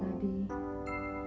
aku sangat mencintai ketiganya